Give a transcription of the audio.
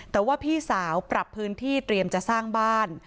แต่ว่าพี่สาวปรับพื้นที่เตรียมจะสร้างบ้าน